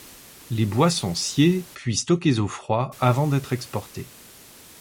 Les bois sont sciés puis stockés au froid avant d’être exportés.